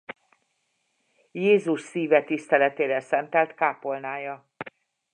Jézus szíve tiszteletére szentelt kápolnája.